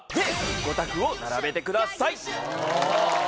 ゴタクを並べてください。